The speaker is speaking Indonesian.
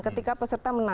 ketika peserta meningkat